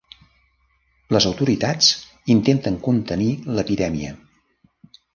Les autoritats intenten contenir l'epidèmia.